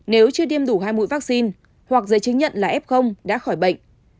nếu chưa tiêm đủ hai mũi vaccine hoặc giấy chứng nhận là f đã khỏi bệnh